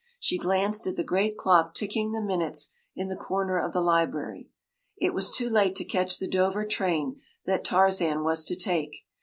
She glanced at the great clock ticking the minutes in the corner of the library. It was too late to catch the Dover train that Tarzan was to take.